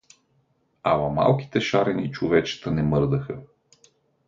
Ала малките шарени човечета не мърдаха.